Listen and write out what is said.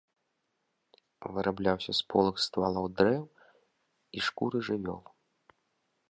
Вырабляўся з полых ствалоў дрэў і шкуры жывёл.